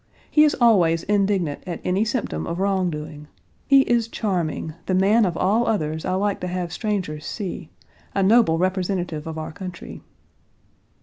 He is always indignant at any symptom of wrong doing. He is charming the man of all others I like to have strangers see a noble representative of our country."